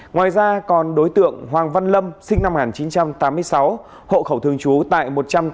ngoài ra còn đối tượng hoàng văn lâm sinh năm một nghìn chín trăm tám mươi sáu hộ khẩu thường trú tại một trăm tám mươi